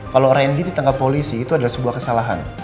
kalau randy ditangkap polisi itu adalah sebuah kesalahan